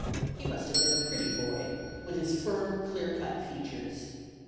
He must have been a pretty boy, with his firm, clear cut features.